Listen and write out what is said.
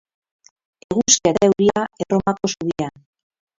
Eguzkia eta euria, erromako zubia.